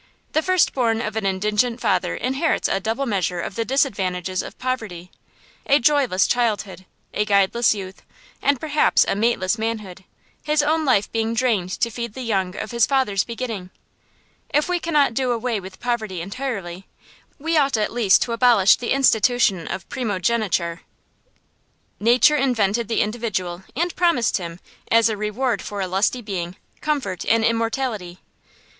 The firstborn of an indigent father inherits a double measure of the disadvantages of poverty, a joyless childhood, a guideless youth, and perhaps a mateless manhood, his own life being drained to feed the young of his father's begetting. If we cannot do away with poverty entirely, we ought at least to abolish the institution of primogeniture. Nature invented the individual, and promised him, as a reward for lusty being, comfort and immortality.